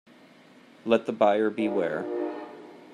Let the buyer beware.